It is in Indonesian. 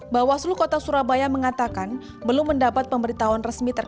bahwa seluruh kota surabaya mengatakan belum mendapat pemberitahuan resmi tersebut